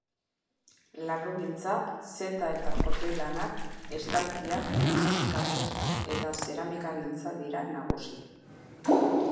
Larrugintza, zeta eta kotoi-lanak, estalkiak, musika-tresna eta zeramikagintza dira nagusi.